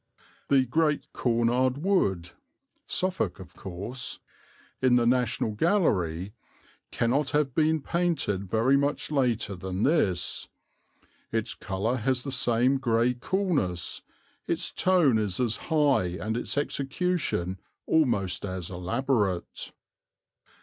The Great Cornard Wood," (Suffolk of course) "in the National Gallery, cannot have been painted very much later than this. Its colour has the same gray coolness, its tone is as high, and its execution almost as elaborate."